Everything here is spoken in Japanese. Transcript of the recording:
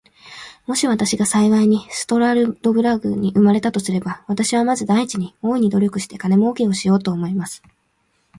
もし私が幸いにストラルドブラグに生れたとすれば、私はまず第一に、大いに努力して金もうけをしようと思います。